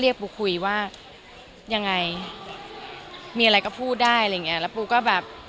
ปูคุยว่ายังไงมีอะไรก็พูดได้อะไรอย่างเงี้ยแล้วปูก็แบบ